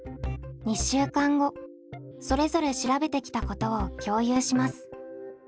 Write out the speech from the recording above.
それぞれ調べてきたことを共有します。